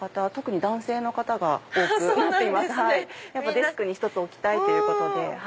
デスクに１つ置きたいということで。